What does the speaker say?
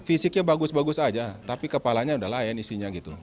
fisiknya bagus bagus aja tapi kepalanya udah lain isinya gitu